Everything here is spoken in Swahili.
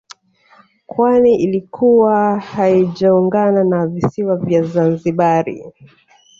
Kwani ilikuwa haijaungana na visiwa vya Zanzibari